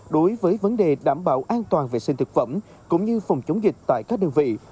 đối với vấn đề đảm bảo an toàn vệ sinh thực phẩm cũng như phòng chống dịch tại các đơn vị